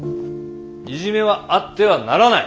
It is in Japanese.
いじめはあってはならない。